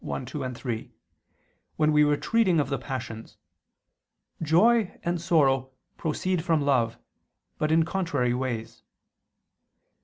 1, 2, 3), when we were treating of the passions, joy and sorrow proceed from love, but in contrary ways.